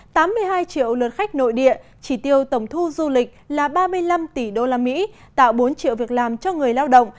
tám mươi hai triệu lượt khách nội địa chỉ tiêu tổng thu du lịch là ba mươi năm tỷ usd tạo bốn triệu việc làm cho người lao động